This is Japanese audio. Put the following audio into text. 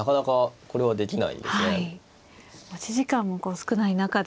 持ち時間も少ない中で。